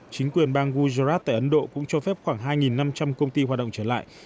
chính quyền bang gujarat tại ấn độ cũng cho phép khoảng hai năm trăm linh công ty hoạt động trở lại